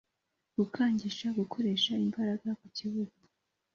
Gukangisha gukoresha imbaraga ku kibuga